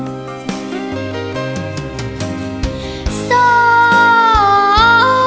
อาหารหวังเป็นเวลาที่เตรียมตัวแน่น